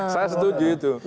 saya setuju itu